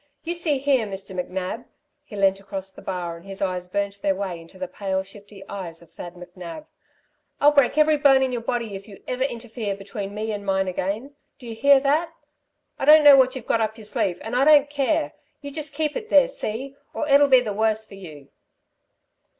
You see here, Mister McNab," he leant across the bar and his eyes burnt their way into the pale shifty eyes of Thad McNab. "I'll break every bone in your body if you ever interfere between me and mine again. D'you hear that? I don't know what you've got up your sleeve, and I don't care! You just keep it there, see, or it'll be the worse for you."